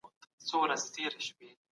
ستا له ياده سره شپې نه كوم